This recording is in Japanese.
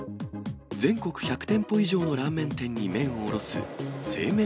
全国１００店舗以上のラーメン店に麺を卸す製麺